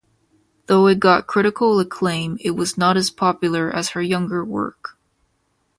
Though it got critical acclaim it was not as popular as her younger work.